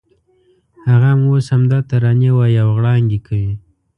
هغه هم اوس همدا ترانې وایي او غړانګې کوي.